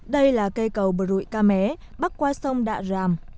đây là cây cầu bờ rụi ca mé bắc qua sông đạ ràm